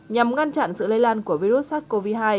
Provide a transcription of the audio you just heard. nhằm ngăn chặn sự lây lan của virus sars cov hai